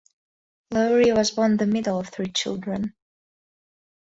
Lowry was born the middle of three children.